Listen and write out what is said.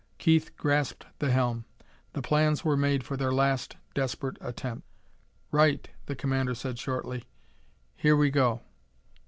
Keith grasped the helm. The plans were made for their last desperate attempt. "Right," the commander said shortly. "Here we go."